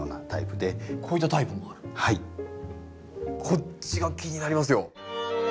こっちが気になりますよ。